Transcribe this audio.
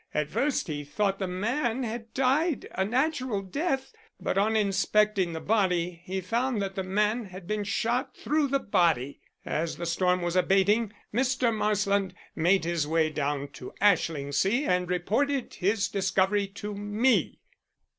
At first he thought the man had died a natural death, but on inspecting the body he found that the man had been shot through the body. As the storm was abating, Mr. Marsland made his way down to Ashlingsea and reported his discovery to me."